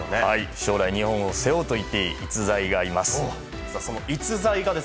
将来日本を背負うと言っていい逸材がいます。